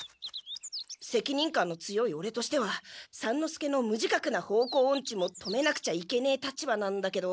せきにん感の強いオレとしては三之助の無自覚な方向オンチも止めなくちゃいけねえ立場なんだけど。